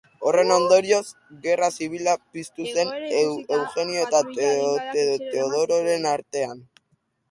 Horren ondorioz, gerra zibila piztu zen Eugenio eta Teodosioren artean.